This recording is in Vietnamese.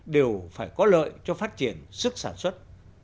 đều phải có lợi cho phát triển sức sản xuất